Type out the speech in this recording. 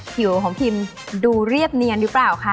ผิวของพิมดูเรียบเนียนหรือเปล่าคะ